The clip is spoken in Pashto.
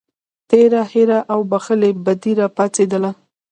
تېره هیره او بښلې بدي راپاڅېدله.